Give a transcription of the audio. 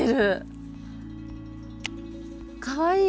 かわいい。